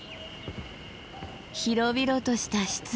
広々とした湿原！